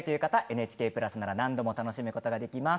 ＮＨＫプラスなら何度も楽しむことができます。